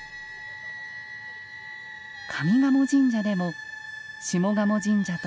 上賀茂神社でも下鴨神社と